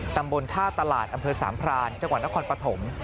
ตำบลท่าตลาดอำเภอสามพรานจังหวัดนครปฐม